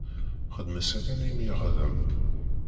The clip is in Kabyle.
Xdem-as akken i m-yexdem.